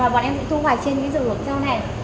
bọn em sẽ thu hoài trên dụng rau này